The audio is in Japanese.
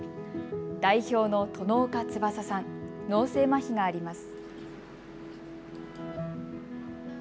代表の殿岡翼さん、脳性まひがあります。